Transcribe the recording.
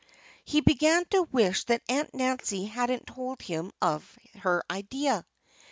_ He began to wish that Aunt Nancy hadn't told him of her idea.